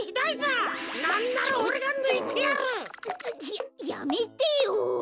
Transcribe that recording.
ややめてよ！